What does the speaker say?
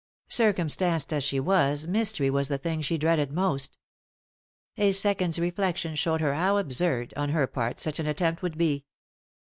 Circumstanced as she was mystery was the thing she dreaded most A second's reflection showed her how absurd, on her part, such an attempt would be.